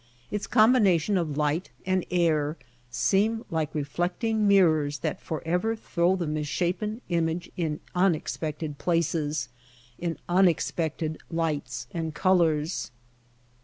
Its combination of light and air seem like reflecting mirrors that forever throw the misshapen image in unex pected places, in unexpected lights and colors.